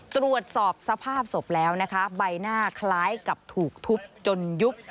ตรวจสอบสภาพศพแล้วนะคะใบหน้าคล้ายกับถูกทุบจนยุบ